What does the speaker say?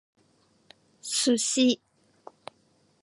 Sushi